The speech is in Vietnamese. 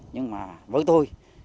nhưng mà với tôi